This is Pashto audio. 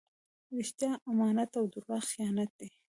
رښتیا امانت او درواغ خیانت دئ.